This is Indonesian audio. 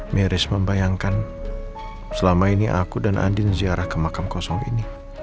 meris membayangkan selama ini aku dan andin ziarah ke makam kosong ini